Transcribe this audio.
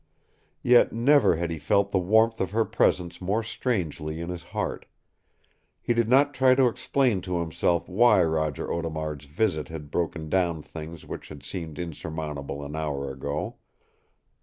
Yet never had he felt the warmth of her presence more strangely in his heart. He did not try to explain to himself why Roger Audemard's visit had broken down things which had seemed insurmountable an hour ago.